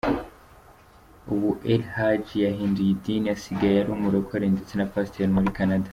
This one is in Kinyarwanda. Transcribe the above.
Ubu El-Hadj yahinduye idini, asigaye ar’umurokore ndetse na Pasteur muri Canada.